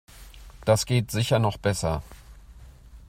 Das geht sicher noch besser.